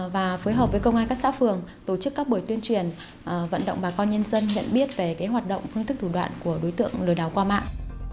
và phối hợp với công an các xã phường tổ chức các buổi tuyên truyền vận động bà con nhân dân nhận biết về hoạt động phương thức thủ đoạn của đối tượng lừa đảo qua mạng